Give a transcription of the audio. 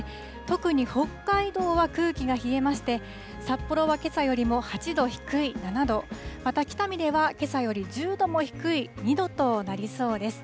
特に北海道は空気が冷えまして、札幌はけさよりも８度低い７度、また北見ではけさより１０度も低い２度となりそうです。